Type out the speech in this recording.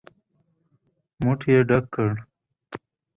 موټ يې ډک کړ.